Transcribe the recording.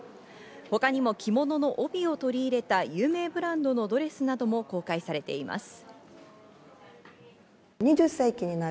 他にも着物の帯を取り入れた有名ブランドのドレスなども公開されています。